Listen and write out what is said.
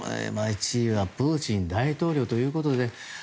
１位はプーチン大統領ということで。